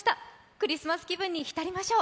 クリスマス気分に浸りましょう。